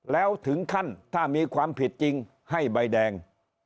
แล้วถึงขั้นถ้ามีความผิดจริงให้ใบแดง